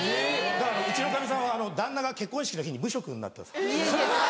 だからうちのかみさんは旦那が結婚式の日に無職になったんです。